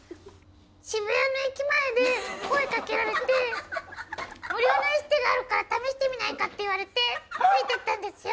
「渋谷の駅前で声かけられて無料のエステがあるから試してみないかって言われてついていったんですよ」